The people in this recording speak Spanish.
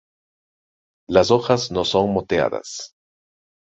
Las hojas no son moteadas.